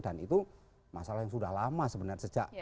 dan itu masalah yang sudah lama sebenarnya